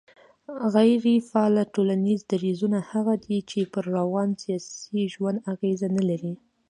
غيري فعاله ټولنيز درځونه هغه دي چي پر روان سياسي ژوند اغېز نه لري